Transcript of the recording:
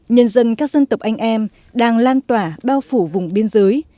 nhân dân các dân tộc anh em đang lan tỏa bao phủ vùng biên giới